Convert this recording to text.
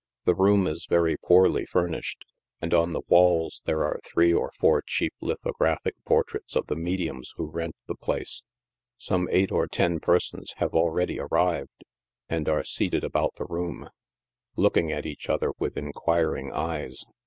The room is very poorly furnished, and on the walls there are three or four cheap lithographic portraits of the mediums who rent the place. Some eight or ten persons have already arrived, and are seated about the room, looking at each other with inquiring eyes.